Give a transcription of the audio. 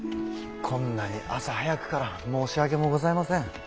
こんなに朝早くから申し訳もございません。